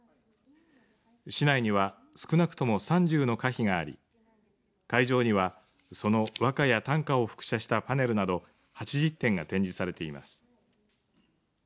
市内には少なくとも３０の歌碑があり会場にはその和歌や短歌を複写したパネルなど８０点が展示されています。